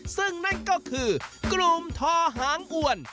ซึ่งนั่นก็คือกลุ่มทอหางอวน